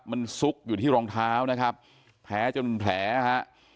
มันซุกอยู่ที่รองเท้านะครับแผลจนแผลฮะ